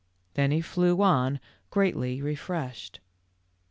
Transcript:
Then he flew on greatly refreshed.